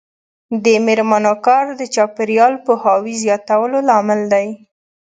د میرمنو کار د چاپیریال پوهاوي زیاتولو لامل دی.